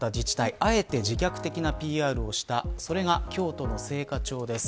あえて自虐的なＰＲをしたのが京都の精華町です。